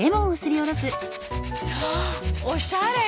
あおしゃれ。